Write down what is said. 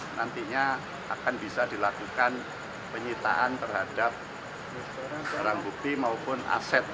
nantinya akan bisa dilakukan penyitaan terhadap barang bukti maupun aset